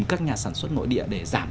các nhà sản xuất nội địa để giảm